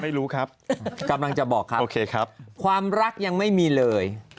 ไม่รู้ครับกำลังจะบอกครับโอเคครับความรักยังไม่มีเลย